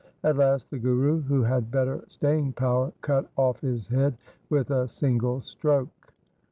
At last the Guru, who had better staying power, cut off his head with a single stroke.